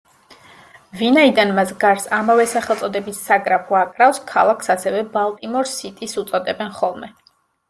ვინაიდან მას გარს ამავე სახელწოდების საგრაფო აკრავს, ქალაქს ასევე ბალტიმორ სიტის უწოდებენ ხოლმე.